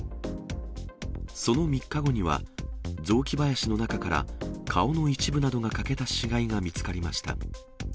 その３日後には、雑木林の中から顔の一部などが欠けた死骸が見つかりました。